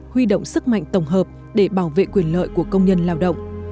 huy động sức mạnh tổng hợp để bảo vệ quyền lợi của công nhân lao động